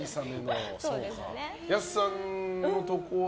安さんのとこは。